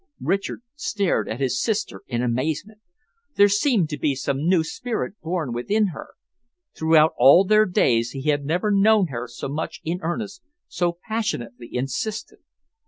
Richard stared at his sister in amazement. There seemed to be some new spirit born within her. Throughout all their days he had never known her so much in earnest, so passionately insistent.